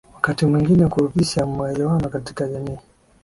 Wakati mwingine kurudisha maelewano katika jamii